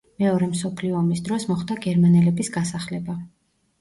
მეორე მსოფლიო ომის დროს მოხდა გერმანელების გასახლება.